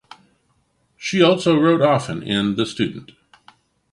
She also wrote often in ‘The Student’.